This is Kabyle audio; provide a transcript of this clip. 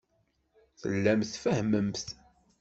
Tellamt tfehhmemt.